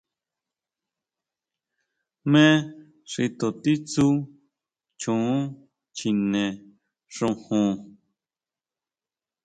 ¿Jmé xi to titsú choo chine xojon?